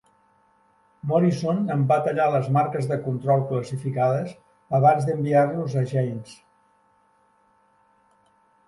Morison en va tallar les marques de control classificades abans d'enviar-los a "Jane's".